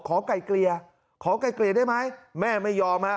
ขอไกลเกลียขอไกลเกลียได้ไหมแม่ไม่ยอม